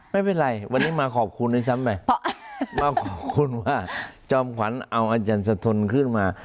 ไม่เป็นไรวันนี้มาขอบคุณด้วยซ้ำไปมาขอบคุณว่าจอมขวัญเอาอาจารย์สะทนขึ้นมา